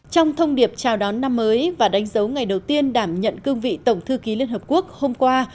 trong thông điệp chào đón năm mới và đánh dấu ngày đầu tiên đảm nhận cương vị tổng thư ký liên hợp quốc hôm qua